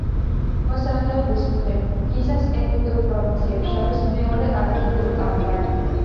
მოსახლეობის მხრივ გიზას ეგვიპტურ პროვინციებს შორის მეორე ადგილი უკავია.